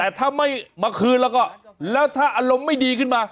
แต่ถ้าไม่มาคืนแล้วก็แล้วถ้าอารมณ์ไม่ดีขึ้นมา